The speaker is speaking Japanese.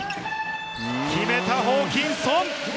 決めた、ホーキンソン！